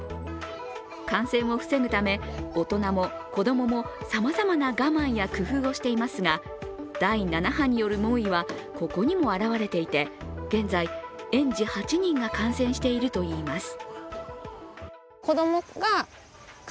感染を防ぐため、大人も子供もさまざまな我慢や工夫をしていますが第７波による猛威はここにもあらわれていて、現在、園児８人が感染しているといいます。